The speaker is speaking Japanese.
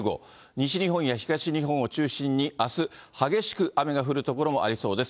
西日本や東日本を中心にあす、激しく雨が降る所もありそうです。